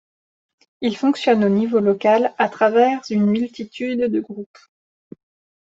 Il fonctionne au niveau local à travers une multitude de groupes.